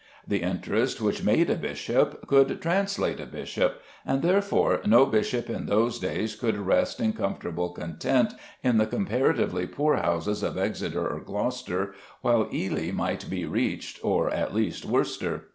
The interest which made a bishop could translate a bishop, and, therefore, no bishop in those days could rest in comfortable content in the comparatively poor houses of Exeter or Gloucester, while Ely might be reached, or at least Worcester.